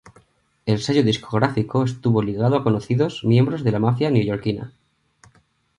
El sello discográfico estuvo ligado a conocidos miembros de la mafia neoyorkina.